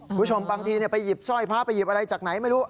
คุณผู้ชมบางทีไปหยิบสร้อยพระไปหยิบอะไรจากไหนไม่รู้